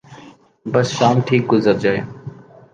بس شام ٹھیک گزر جائے۔